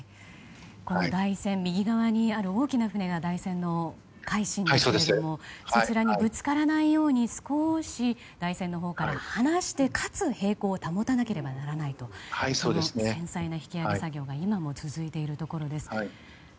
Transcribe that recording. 右側にある大きな船が台船の「海進」ですがそちらにぶつからないように少し台船のほうから離してかつ、平行を保たなければいけないという繊細な引き揚げ作業が今も続いているところです。